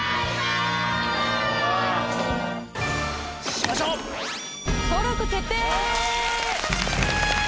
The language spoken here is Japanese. しましょう！登録決定！